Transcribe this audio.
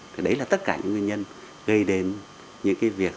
thì đấy là tất cả những nguyên nhân gây đến những cái việc